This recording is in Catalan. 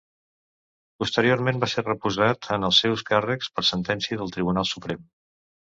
Posteriorment va ser reposat en els seus càrrecs per sentència del Tribunal Suprem.